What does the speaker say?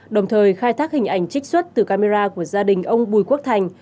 đồng thời khai thác hình ảnh trích xuất từ camera của gia đình ông bùi quốc thành